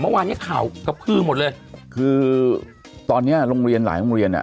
เมื่อวานเนี้ยข่าวกระพือหมดเลยคือตอนเนี้ยโรงเรียนหลายโรงเรียนอ่ะ